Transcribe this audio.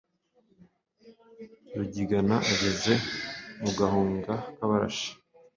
Rugigana ageze mu Gahunga k’Abarashi